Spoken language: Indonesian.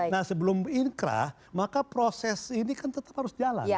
nah sebelum inkrah maka proses ini kan tetap harus jalan